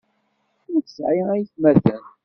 Ur tesɛi aytmaten.